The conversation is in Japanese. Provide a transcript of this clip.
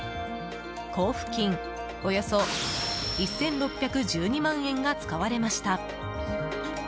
交付金、およそ１６１２万円が使われました。